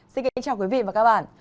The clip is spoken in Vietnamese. xin kính chào quý vị và các bạn